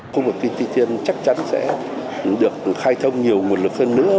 khu vực kinh tế tiên chắc chắn sẽ được khai thông nhiều nguồn lực hơn nữa